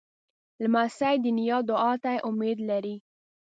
لمسی د نیا دعا ته امید لري.